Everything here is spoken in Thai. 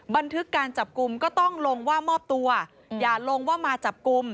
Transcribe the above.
บันทึกการจับกลุ่มก็ต้องลงว่ามอบตัวอย่าลงว่ามาจับกลุ่ม